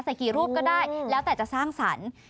กี่รูปก็ได้แล้วแต่จะสร้างสรรค์